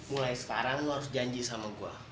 mulai sekarang lo harus janji sama gue